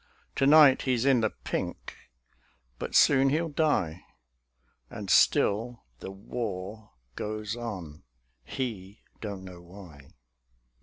To night he's in the pink; but soon he'll die. And still the war goes on; he don't know why.